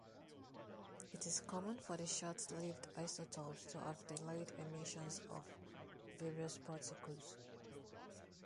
It is common for the short-lived isotopes to have delayed emissions of various particles.